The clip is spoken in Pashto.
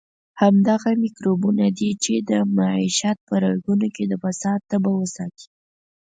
همدغه میکروبونه دي چې د معیشت په رګونو کې د فساد تبه وساتي.